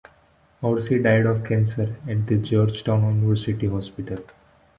Horsey died of cancer at the Georgetown University Hospital.